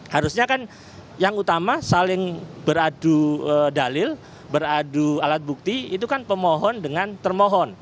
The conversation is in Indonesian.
harusnya kan yang utama saling beradu dalil beradu alat bukti itu kan pemohon dengan termohon